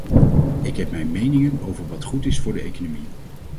Ik heb mijn meningen over wat goed is voor de economie.